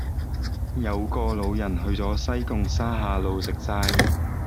有個老人去左西貢沙下路食齋